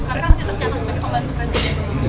karena kan tercatat sebagai pembantu presiden